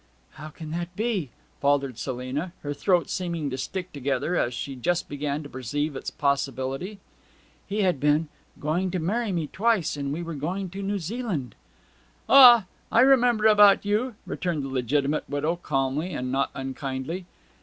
'How can that be?' faltered Selina, her throat seeming to stick together as she just began to perceive its possibility. 'He had been going to marry me twice and we were going to New Zealand.' 'Ah! I remember about you,' returned the legitimate widow calmly and not unkindly.